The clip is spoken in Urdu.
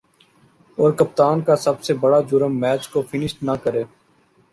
اور کپتان کا سب سے بڑا"جرم" میچ کو فنش نہ کر ہے